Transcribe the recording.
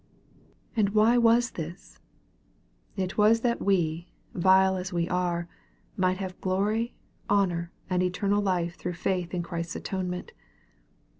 And why was this ? It was that we, vile as we are, might have glory, honor, and eternal life through faith in Christ's atonement.